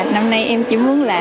năm nay em chỉ muốn là